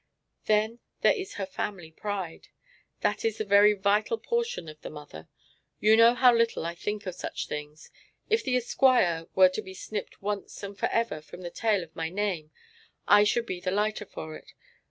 Then, there is her family pride. That is a very vital portion of the mother. You know how little I think of such things. If the Esquire were to be snipped once and for ever from the tail of my name I should be the lighter for it.